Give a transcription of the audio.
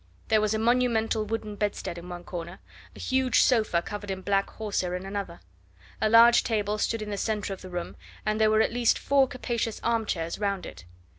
There was a monumental wooden bedstead in one corner, a huge sofa covered in black horsehair in another. A large table stood in the centre of the room, and there were at least four capacious armchairs round it.